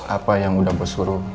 apa yang udah bos suruh